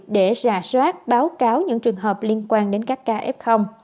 để rà soát báo cáo những trường hợp liên quan đến các kf